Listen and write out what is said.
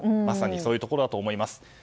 まさにそういうところだと思います。